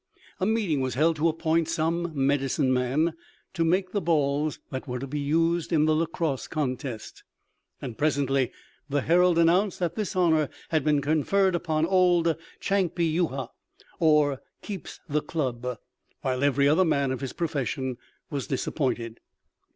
A meeting was held to appoint some "medicine man" to make the balls that were to be used in the lacrosse contest; and presently the herald announced that this honor had been conferred upon old Chankpee yuhah, or "Keeps the Club," while every other man of his profession was disappointed.